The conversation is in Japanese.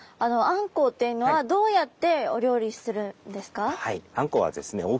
あんこうっていうのはどうやってお料理するんですか？